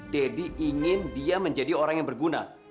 deddy ingin dia menjadi orang yang berguna